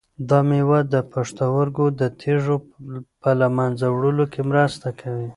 دا مېوه د پښتورګو د تیږو په له منځه وړلو کې مرسته کوي.